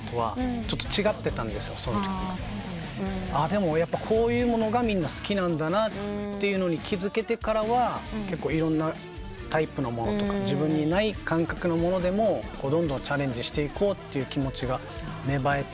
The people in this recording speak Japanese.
でもやっぱこういうものがみんな好きなんだなと気付けてからはいろんなタイプのものとか自分にない感覚のものでもどんどんチャレンジしていこうって気持ちが芽生えた楽曲なので。